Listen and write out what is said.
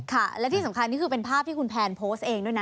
และที่สำคัญนี่คือเป็นภาพที่คุณแพนโพสต์เองด้วยนะ